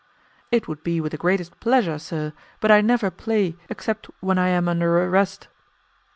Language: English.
"It would be with the greatest pleasure, sir, but I never play except when I am under arrest."